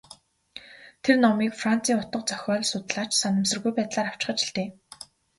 Тэр номыг Францын утга зохиол судлаач санамсаргүй байдлаар авчхаж л дээ.